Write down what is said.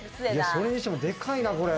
それにしてもでかいな、これ。